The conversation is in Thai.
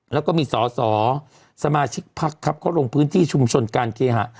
แล้วก็มีสสสมาชิกพรรคครับก็ลงพื้นที่ชุมชนการเกฮะ